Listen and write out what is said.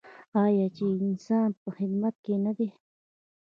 آیا چې د انسان په خدمت کې نه دی؟